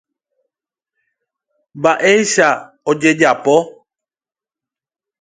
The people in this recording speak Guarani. Mba'éicha ojejapo.